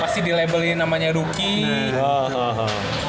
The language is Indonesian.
pasti di labelin namanya rookie